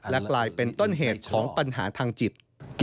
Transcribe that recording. และกลายเป็นต้นเหตุของปัญหาทางจิต